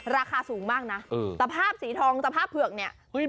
ราคาสูงมากนะสภาพสีทองสภาพเผือกเนี่ย